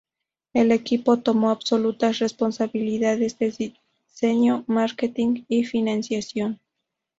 El equipo tomó absolutas responsabilidades de diseño, marketing y financiación.